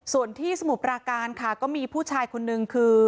ส่วนที่สมุทรปราการค่ะก็มีผู้ชายคนนึงคือ